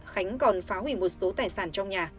khánh còn phá hủy một số tài sản trong nhà